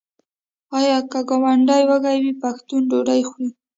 آیا که ګاونډی وږی وي پښتون ډوډۍ خوري؟